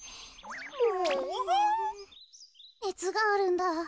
ねつがあるんだ。